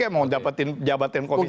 mau dapatin jabatan komisaris